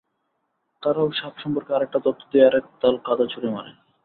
তারাও সাপ সম্পর্কে আরেকটা তথ্য দিয়ে আরেক তাল কাদা ছুড়ে মারে।